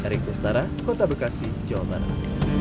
rikus tara kota bekasi jawa barat